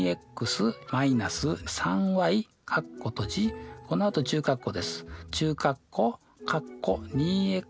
このあと中括弧です。